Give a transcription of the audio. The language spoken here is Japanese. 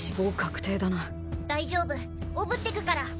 大丈夫おぶってくから。